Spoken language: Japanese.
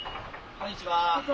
こんにちは。